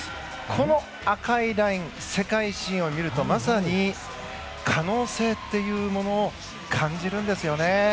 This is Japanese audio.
この赤いライン、世界新を見るとまさに、可能性というものを感じるんですよね。